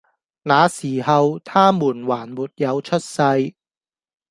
那時候，他們還沒有出世，